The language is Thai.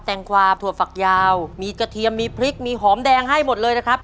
งกวาถั่วฝักยาวมีกระเทียมมีพริกมีหอมแดงให้หมดเลยนะครับ